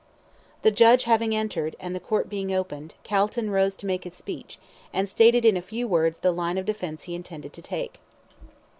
The judge having entered, and the Court being opened, Calton rose to make his speech, and stated in a few words the line of defence he intended to take.